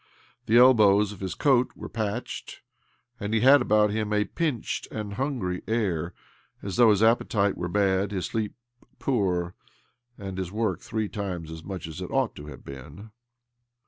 The elbows of his coat were patched, and he had about him a pinched and hungry air, as though his appetite were bad, his sleep poor, and his work three times as much as it ought to have been.